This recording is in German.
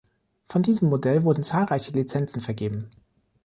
Von diesem Modell wurden zahlreiche Lizenzen vergeben.